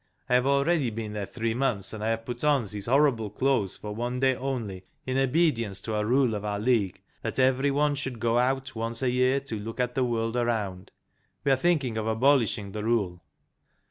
I have already been there three months, and I have put on these horrible clothes for one day only, in obedience to a rule of our League, that every one should go out once a year to look at the world around. We are thinking of abolishing the rule."